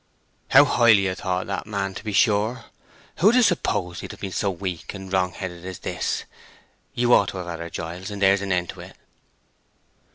"How highly I thought of that man, to be sure! Who'd have supposed he'd have been so weak and wrong headed as this! You ought to have had her, Giles, and there's an end on't."